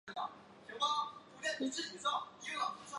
本软件允许用户在下载其上载的一切图像和文字资料。